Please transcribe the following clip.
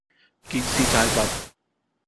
件事就係咁